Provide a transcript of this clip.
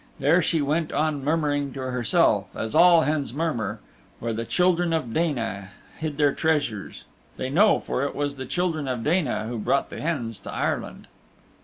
There she went on murmuring to herself as all hens murmur where the Children of Dana hid their treasures they know, for it was the Children of Dana who brought the hens to Ireland.